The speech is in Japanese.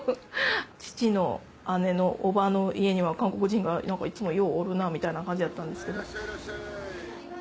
父の姉のおばの家には韓国人がいつもようおるなみたいな感じやったんですけど。